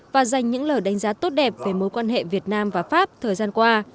và dành những lời đánh giá tốt đẹp về mối quan hệ việt nam và pháp thời gian qua